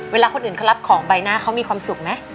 เวลาคนอื่นเขารับของใบหน้าเขามีความสุขไหม